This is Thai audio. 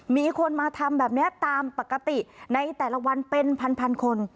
มีคนมาทำแบบนี้ตามปกติในแต่ละวันเป็นพันคน